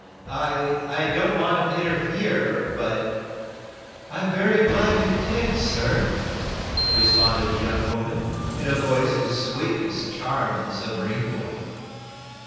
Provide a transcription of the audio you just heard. "I I don't want to interfere, but " "I'm very glad you did, sir," responded the young woman, in a voice whose sweetness charmed the submarine boy.